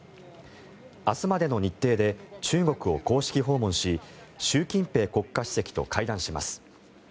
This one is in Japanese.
明日までの日程で中国を公式訪問し習近平国家主席と会談します。